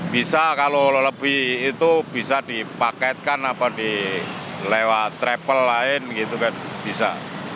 bisa kalau lebih itu bisa dipaketkan atau di lewat travel lain gitu kan bisa